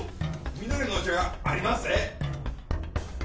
緑のお茶がありまっせ！